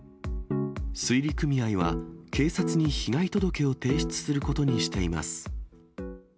水利組合は、警察に被害届を提出することにしています。